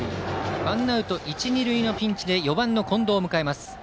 ワンアウト一塁二塁のピンチで４番の近藤を迎えます。